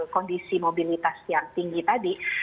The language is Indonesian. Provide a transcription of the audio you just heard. kondisi mobilitas yang tinggi tadi